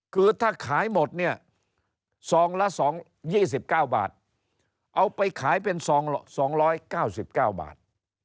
คือถ้าขายหมดเนี่ยซองละ๒๙บาทเอาไปขายเป็น๒๙๙บาท